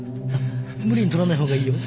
無理に取らない方がいいよ。